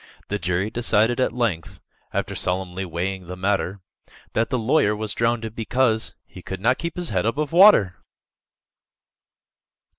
The jury decided at length, After solemnly weighing the matter, That the lawyer was drownded, because He could not keep his head above water!